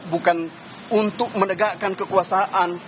bukan untuk menegakkan kekuasaan